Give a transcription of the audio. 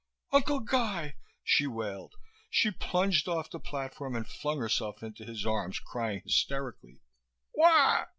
"Uncle Guy!" she wailed. She plunged off the platform and flung herself into his arms, crying hysterically. "_Wha?